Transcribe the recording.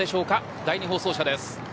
第２放送車です。